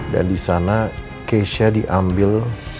dan di sana keisha diambil